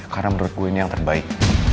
karena menurut gue ini yang terbaik